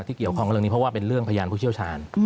เกี่ยวข้องกับเรื่องนี้เพราะว่าเป็นเรื่องพยานผู้เชี่ยวชาญ